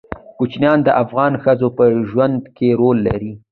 کوچیان د افغان ښځو په ژوند کې رول لري.